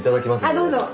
あどうぞ。